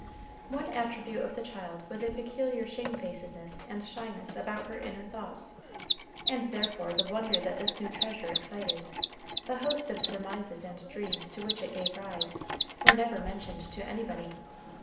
One attribute of the child was a peculiar shamefacedness and shyness about her inner thoughts, and therefore the wonder that this new treasure excited, the host of surmises and dreams to which it gave rise, were never mentioned to anybody.